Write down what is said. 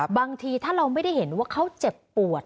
บางทีถ้าเราไม่ได้เห็นว่าเขาเจ็บปวด